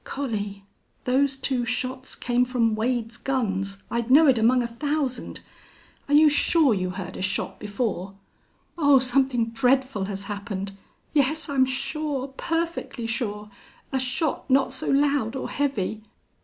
"Collie!... Those two shots came from Wade's guns I'd know it among a thousand!... Are you sure you heard a shot before?" "Oh, something dreadful has happened! Yes, I'm sure. Perfectly sure. A shot not so loud or heavy."